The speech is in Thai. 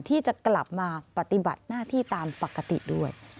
ที่จะกลับมาปฏิบัติหน้าที่ตามปกติด้วย